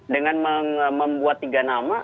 dengan membuat tiga nama